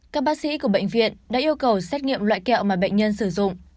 các bác sĩ của bệnh viện đã yêu cầu xét nghiệm loại kẹo mà bệnh nhân sử dụng